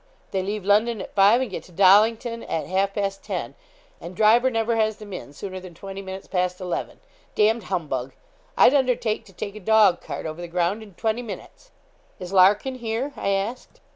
They leave London at five, and get to Dollington at half past ten, and Driver never has them in sooner than twenty minutes past eleven! D d humbug! I'd undertake to take a dog cart over the ground in twenty minutes.' 'Is Larkin here?' I asked.